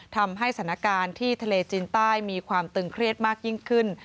ทำให้สถานการณ์ที่ทะเลจีนใต้มีความตึงเครียดมากยิ่งขึ้น